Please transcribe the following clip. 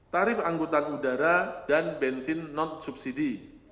tarif angkutan udara dan bensin non subsidi